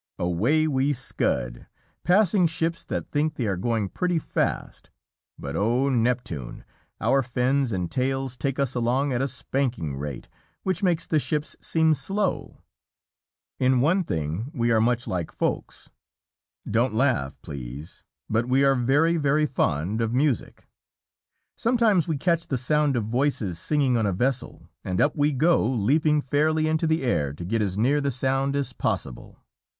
Away we scud, passing ships that think they are going pretty fast, but, O Neptune! our fins and tails take us along at a spanking rate, which makes the ships seem slow. In one thing we are much like Folks. Don't laugh, please, but we are very, very fond of music. Sometimes we catch the sound of voices singing on a vessel, and up we go, leaping fairly into the air to get as near the sound as possible.